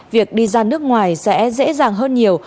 việc đi ra nước ngoài sẽ dễ dàng hơn nhiều